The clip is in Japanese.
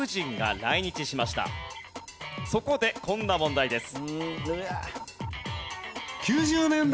そこでこんな問題です。